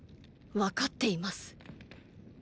分かっています。